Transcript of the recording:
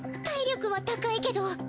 体力は高いけど。